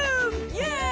イエイ！